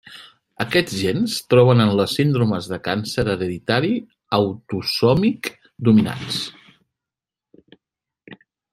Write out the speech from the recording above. Aquests gens troben en les síndromes de càncer hereditari autosòmic dominants.